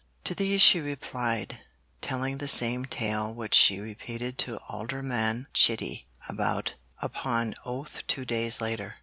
To these she replied, telling the same tale which she repeated to Alderman Chitty upon oath two days later.